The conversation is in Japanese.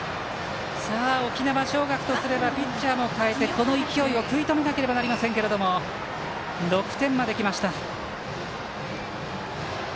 沖縄尚学とすればピッチャーも代えて、この勢いを食い止めなければいけませんが６点まできました。